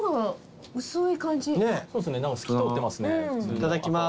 いただきます。